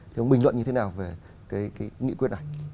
thì ông bình luận như thế nào về cái nghị quyết này